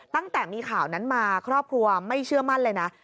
ตั้งแต่มีข่าวนั้นมาครอบครัวไม่เชื่อมั่นเลยนะ